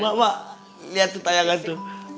mak mak lihat tuh tayangan tuh